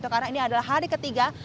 karena ini adalah hari ketiga